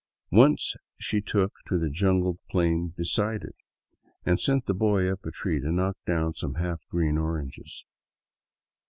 Once she took to the jungled plain beside it, and sent the boy up a tree to knock down some half green oranges.